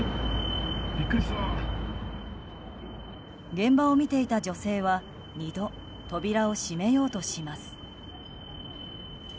現場を見ていた女性は２度、扉を閉めようとします。